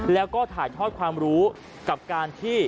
แล้วก็ถ่ายทอดความรู้กับการที่